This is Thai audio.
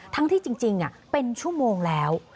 ที่จริงเป็นชั่วโมงแล้ว